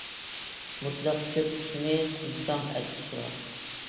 مۇتلەق كۆپ قىسمى قۇمساڭ ئەت تۇپراق.